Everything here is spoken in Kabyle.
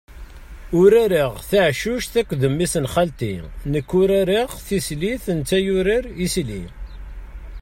Urareɣ taɛcuct akked mmi-s n xalti, nek urareɣ tislit netta yurar isli.